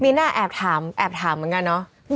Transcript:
มีน่าแอบถามแอบถามเหมือนกันเนาะ